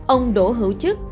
ông đổ hữu chức